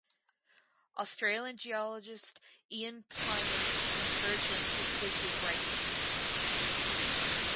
Australian geologist Ian Plimer encouraged and assisted his writing career.